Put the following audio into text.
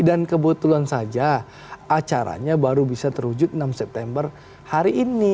dan kebetulan saja acaranya baru bisa terwujud enam september hari ini